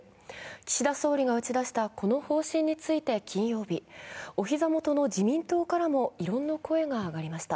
岸田総理が打ち出したこの方針について金曜日、お膝元の自民党からも異論の声が上がりました。